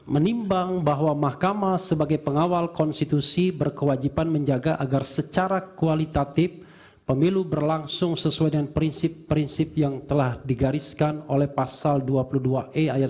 menimbang bahwa mahkamah sebagai pengawal konstitusi berkewajiban menjaga agar secara kualitatif pemilu berlangsung sesuai dengan prinsip prinsip yang telah digariskan oleh pasal dua puluh dua e ayat satu